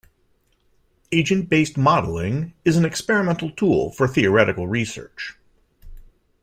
Agent-based modeling is an experimental tool for theoretical research.